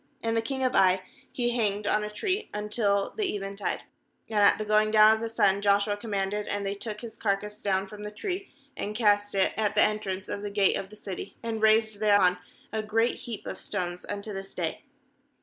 29And the king of Ai he hanged on a tree until the eventide; and at the going down of the sun Joshua com manded, and they took his carcass down from the tree, and cast it at the entrance of the gate of the city, and raised thereon a great heap of stones, unto this day.